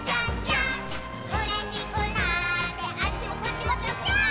「うれしくなってあっちもこっちもぴょぴょーん」